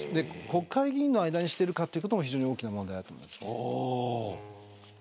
国会議員の間にしているかということも大きな問題です。